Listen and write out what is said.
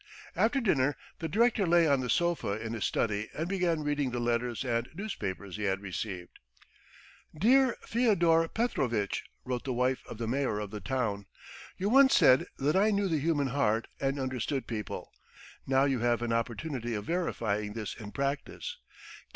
After dinner the director lay on the sofa in his study and began reading the letters and newspapers he had received. "Dear Fyodor Petrovitch," wrote the wife of the Mayor of the town. "You once said that I knew the human heart and understood people. Now you have an opportunity of verifying this in practice.